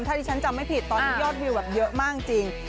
ถ้าที่ฉันจำไม่ผิดตอนนี้ยอดวิวแบบเยอะมากจริง